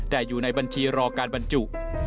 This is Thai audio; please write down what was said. แต่อยู่ในบัญชีรอการบรรจุ